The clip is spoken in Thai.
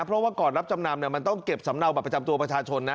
เพราะว่าก่อนรับจำนำมันต้องเก็บสำเนาบัตรประจำตัวประชาชนนะ